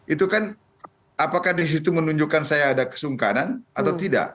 itu kan apakah disitu menunjukkan saya ada kesungkanan atau tidak